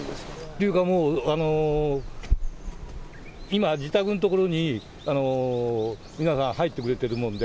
というかもう今、自宅の所に皆さん入ってくれてるもんで、